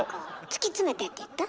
「つき詰めて」って言った？